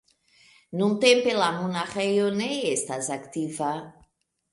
Nuntempe la monaĥejo ne estas aktiva.